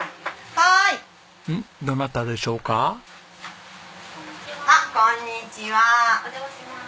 お邪魔します。